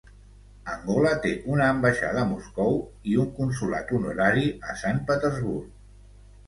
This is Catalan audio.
Angola té una ambaixada a Moscou i un consolat honorari a San Petersburg.